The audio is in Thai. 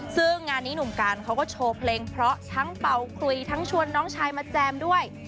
ซึ่งงานนี้หนุ่มการเขาก็โชว์เพลงเพราะทั้งเป่าคลุยทั้งชวนน้องชายมาแจมด้วย